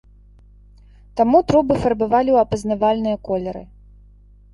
Таму трубы фарбавалі ў апазнавальныя колеры.